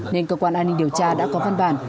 nên cơ quan an ninh điều tra đã có văn bản